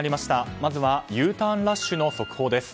まずはＵターンラッシュの速報です。